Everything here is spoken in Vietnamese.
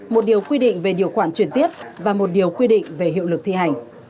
một điều quy định về điều khoản chuyển tiếp và một điều quy định về hiệu lực thi hành